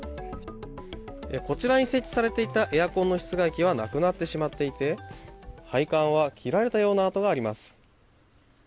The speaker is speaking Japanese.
こちらに設置されていたエアコンの室外機はなくなってしまっていて配管が切られたような跡があります。